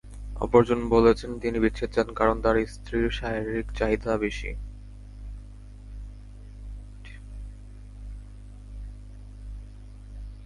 অপরজন বলেছেন, তিনি বিচ্ছেদ চান, কারণ তাঁর স্ত্রীর শারীরিক চাহিদা বেশি।